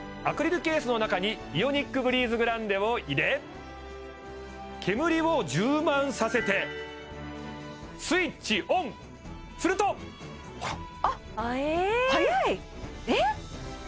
アクリルケースの中にイオニックブリーズグランデを入れ煙を充満させてスイッチオンするとええ早いっ！